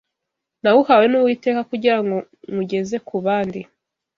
nawuhawe n’Uwiteka kugira ngo nywugeze ku bandi